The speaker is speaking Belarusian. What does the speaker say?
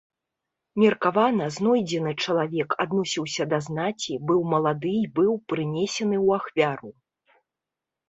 Меркавана, знойдзены чалавек адносіўся да знаці, быў малады і быў прынесены ў ахвяру.